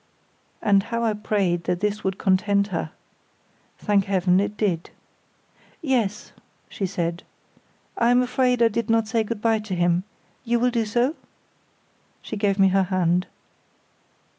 And how I prayed that this would content her! Thank Heaven, it did. "Yes," she said, "I am afraid I did not say good bye to him. You will do so?" She gave me her hand.